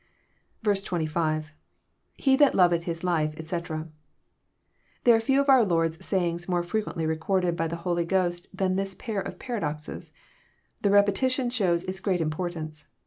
26.— [ir« that loveth his life, etc.'] There are few of our Lord's say ings more frequently recorded by the Holy Ghost than this pair of paradoxes. The repetition shows its great importance.